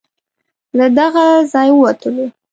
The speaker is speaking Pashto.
له دغه ځای ووتلو.